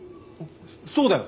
そうだよ。